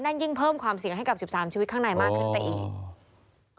ยิ่งเพิ่มความเสี่ยงให้กับ๑๓ชีวิตข้างในมากขึ้นไปอีก